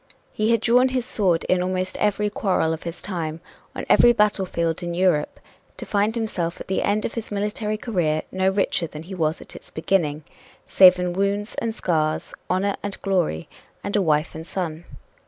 He had drawn his sword in almost every quarrel of his time, on every battlefield in Europe, to find himself, at the end of his military career, no richer than he was at its beginning save in wounds and scars, honor and glory, and a wife and son.